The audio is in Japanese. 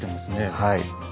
はい。